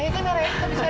ya kan nara